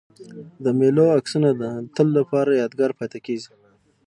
د مېلو عکسونه د تل له پاره یادګار پاته کېږي.